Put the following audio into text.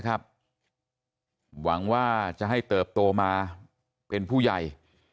ข้าจะให้เติบโตมาเป็นผู้ใหญ่